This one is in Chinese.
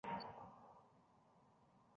早年为郡庠生。